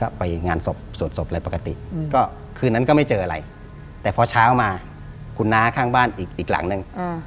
ก็ไปหรือการสอบปกติคืนนั้นก็ไม่เจออะไรแต่พอเช้ามาคุณน้าข้างบ้านอีกหลังดูแลด้วยมา